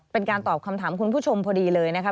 เป็นการตอบคำถามคุณผู้ชมพอดีเลยนะคะ